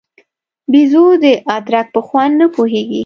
بېزو د ادرک په خوند نه پوهېږي.